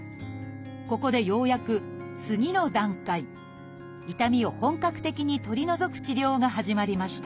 ここでようやく次の段階痛みを本格的に取り除く治療が始まりました。